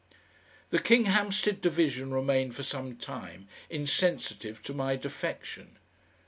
The Kinghampstead division remained for some time insensitive to my defection.